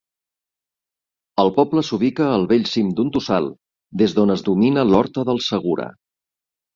El poble s'ubica al bell cim d'un tossal des d'on es domina l'horta del Segura.